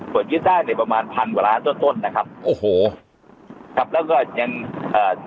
เปิดยึดได้ในประมาณพันกว่าร้านต้นต้นนะครับโอ้โหครับแล้วก็ยังเอ่อ